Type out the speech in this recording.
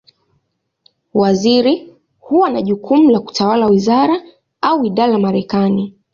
Waziri huwa na jukumu la kutawala wizara, au idara Marekani.